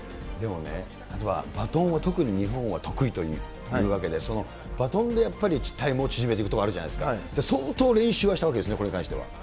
でもね、バトンは特に日本は得意ということで、バトンでやっぱりタイムを縮めてくところあるじゃないですか、相当練習したんですか、これに対しては。